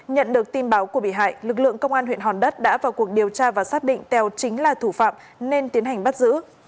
nhận được tin báo của bị hại lực lượng công an huyện hòn đất đã vào cuộc điều tra và xác định tèo chính là thủ phạm nên tiến hành bắt giữ